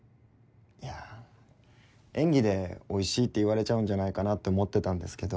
いや演技で「おいしい」って言われちゃうんじゃないかなって思ってたんですけど。